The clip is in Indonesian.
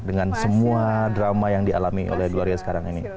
dengan semua drama yang dialami oleh gloria sekarang ini